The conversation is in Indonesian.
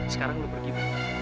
sekarang lo pergi dulu